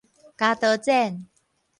鉸刀剪